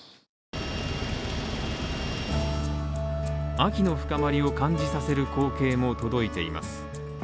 秋の深まりを感じさせる光景も届いています。